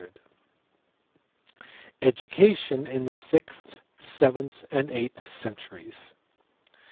Education in the sixth, seventh, and eighth centuries.